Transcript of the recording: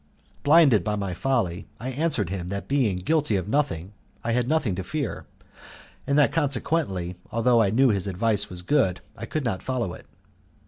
Blinded by my folly, I answered him that being guilty of nothing I had nothing to fear, and that consequently, although I knew his advice was good, I could not follow it.